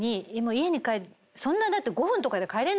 家に帰るそんなだって。